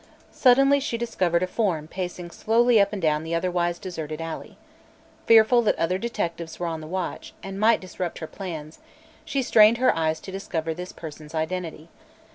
Suddenly she discovered a form pacing slowly up and down the otherwise deserted alley. Fearful that other detectives were on the watch, and might disrupt her plans, she strained her eyes to discover this person's identity.